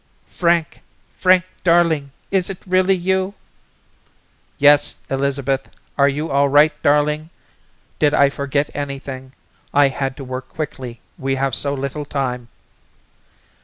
"Frank! Frank, darling! Is it really you?" "Yes, Elizabeth! Are you all right, darling? Did I forget anything? I had to work quickly, we have so little time."